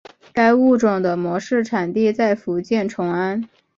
该物种的模式产地在福建崇安。